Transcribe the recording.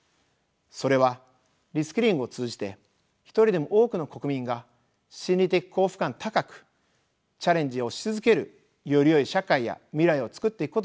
それはリスキリングを通じて一人でも多くの国民が心理的幸福感高くチャレンジをし続けるよりよい社会や未来をつくっていくことです。